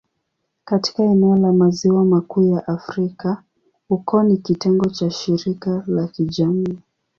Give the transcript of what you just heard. Katika eneo la Maziwa Makuu ya Afrika, ukoo ni kitengo cha shirika la kijamii.